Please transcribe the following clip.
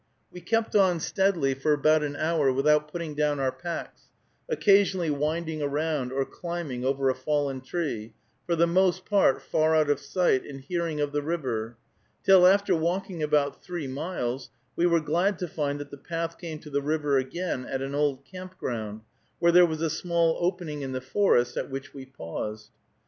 We kept on steadily for about an hour without putting down our packs, occasionally winding around or climbing over a fallen tree, for the most part far out of sight and hearing of the river; till, after walking about three miles, we were glad to find that the path came to the river again at an old camp ground, where there was a small opening in the forest, at which we paused.